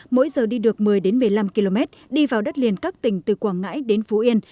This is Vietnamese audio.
mỗi giờ đi được một mươi một mươi năm km đi vào đất liền các tỉnh từ quảng ngãi đến phú yên